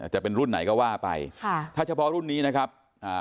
จะเป็นรุ่นไหนก็ว่าไปค่ะถ้าเฉพาะรุ่นนี้นะครับอ่า